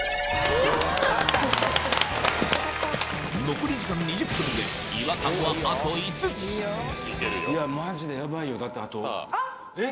残り時間２０分で違和感はあと５つマジでヤバいよだってあとえっ？